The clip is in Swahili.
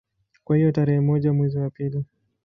Kwa hiyo tarehe moja mwezi wa pili